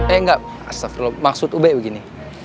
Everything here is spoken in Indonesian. eh enggak astagfirullah maksud be begini